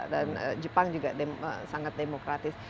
dan jepang juga sangat demokratis